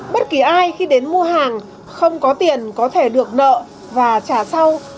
bất kỳ ai khi đến mua hàng không có tiền có thể được nợ và trả sau